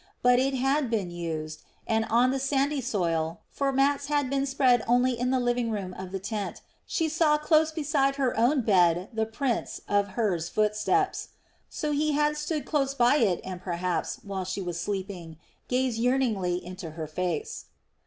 But it had been used, and on the sandy soil for mats had been spread only in the living room of the tent she saw close beside her own bed the prints of Hur's footsteps. So he had stood close by it and perhaps, while she was sleeping, gazed yearningly into her face.